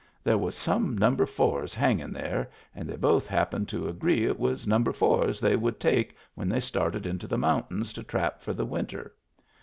There was some number fours hanging there, and they both happened to agree it was number fours they would take when they started into the mountains to trap for the winter.